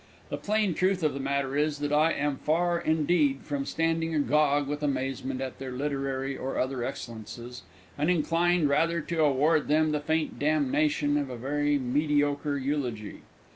The plain truth of the matter is that I am far indeed from standing agog with amazement at their literary or other excellences, and inclined rather to award them the faint damnation of a very mediocre eulogy.